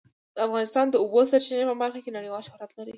افغانستان د د اوبو سرچینې په برخه کې نړیوال شهرت لري.